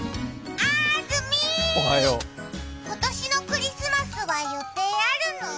あずみー、今年のクリスマスは予定あるのー？